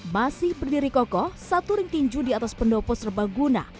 masih berdiri kokoh satu ring tinju di atas pendopo serbaguna